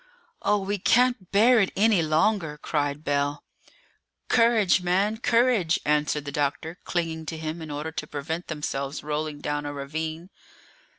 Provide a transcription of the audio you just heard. "Oh, we can't bear it any longer!" cried Bell. "Courage, man, courage!" answered the doctor, clinging to him in order to prevent themselves rolling down a ravine.